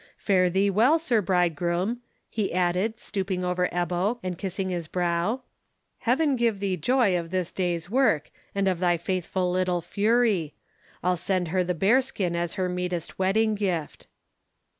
Fare thee well, Sir Bridegroom," he added, stooping over Ebbo, and kissing his brow; "Heaven give thee joy of this day's work, and of thy faithful little fury. I'll send her the bearskin as her meetest wedding gift."